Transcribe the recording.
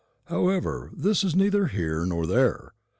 However, that is neither here nor there.